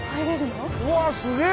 うわっすげえ！